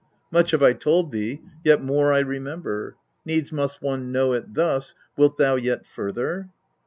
7. Much have I told thee, yet more I remember; needs must one know it thus, wilt thou yet further